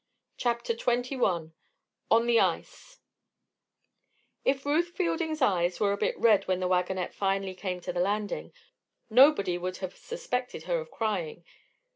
CHAPTER XXI ON THE ICE If Ruth Fielding's eyes were a bit red when the wagonette finally came to the landing, nobody would have suspected her of crying.